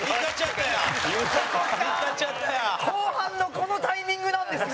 兼近：後半のこのタイミングなんですね！